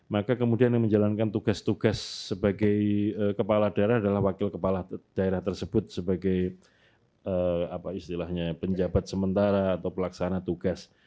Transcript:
maka kemudian yang menjalankan tugas tugas sebagai kepala daerah adalah wakil kepala daerah tersebut sebagai penjabat sementara atau pelaksana tugas